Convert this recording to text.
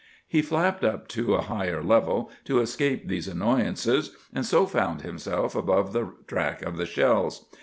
He flapped up to a higher level to escape these annoyances, and so found himself above the track of the shells.